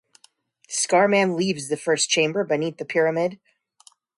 Scarman leaves the first chamber beneath the pyramid.